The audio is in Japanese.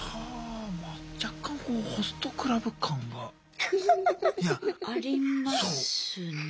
若干ホストクラブ感が。ありますねえ。